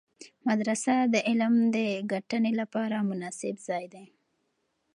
مدرسه د علم د ګټنې لپاره مناسب ځای دی.